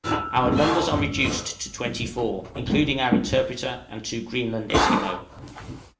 Our numbers are reduced to twenty four, including our interpreter and two Greenland Esquimaux.